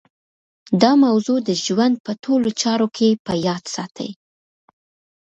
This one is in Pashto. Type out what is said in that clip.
دا موضوع د ژوند په ټولو چارو کې په یاد ساتئ